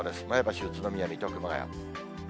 前橋、宇都宮、水戸、熊谷。